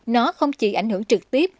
nó không chỉ ảnh hưởng trực tiếp